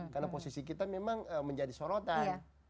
karena posisi kita memang menjadi sorotan